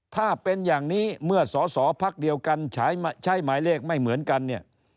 ถ้าเป็นอย่างนี้เมื่อสอสอพักเดียวกันใช้หมายเลขไม่เหมือนกันเนี่ย